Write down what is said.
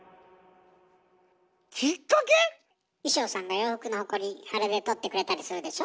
キッカケ⁉衣装さんが洋服のホコリあれで取ってくれたりするでしょ？